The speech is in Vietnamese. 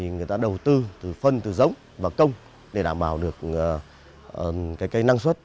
người ta đầu tư từ phân từ giống và công để đảm bảo được cây năng suất